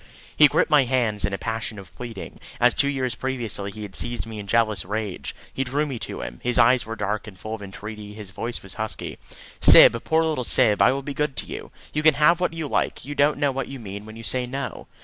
He gripped my hands in a passion of pleading, as two years previously he had seized me in jealous rage. He drew me to him. His eyes were dark and full of entreaty; his voice was husky. "Syb, poor little Syb, I will be good to you! You can have what you like. You don't know what you mean when you say no."